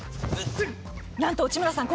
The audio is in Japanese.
なんと内村さん